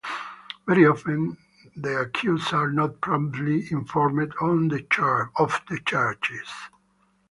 Very often, the accused are not promptly informed of the charges.